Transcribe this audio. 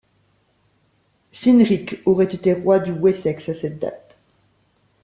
Cynric aurait été roi du Wessex à cette date.